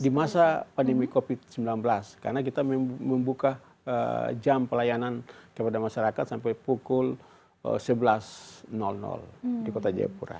di masa pandemi covid sembilan belas karena kita membuka jam pelayanan kepada masyarakat sampai pukul sebelas di kota jayapura